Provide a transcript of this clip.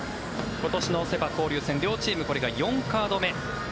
今年のセ・パ交流戦両チームこれが４カード目。